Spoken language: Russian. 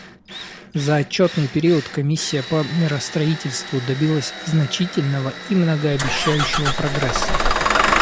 За отчетный период Комиссия по миростроительству добилась значительного и многообещающего прогресса.